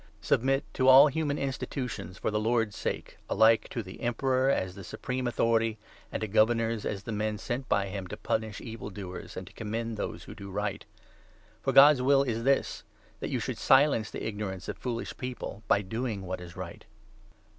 Submit to all human institutions for the Lord's 13 Submission sake, alike to the emperor as the supreme Authorities, authority, and to governors as the men sent by him 14 to punish evil doers and to commend those who do right. For God's will is this — that you should silence the 15 ignorance of foolish people by doing what is right.